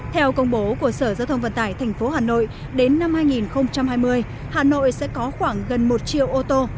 theo công bố của sở giao thông vận tải tp hà nội đến năm hai nghìn hai mươi hà nội sẽ có khoảng gần một triệu ô tô